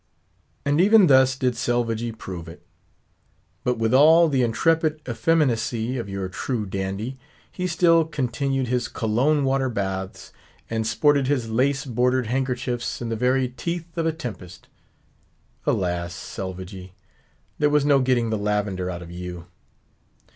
And even thus did Selvagee prove it. But with all the intrepid effeminacy of your true dandy, he still continued his Cologne water baths, and sported his lace bordered handkerchiefs in the very teeth of a tempest. Alas, Selvagee! there was no getting the lavender out of you.